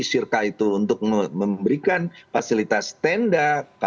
sirka itu untuk memberikan fasilitas tenda